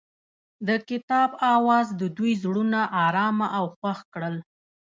د کتاب اواز د دوی زړونه ارامه او خوښ کړل.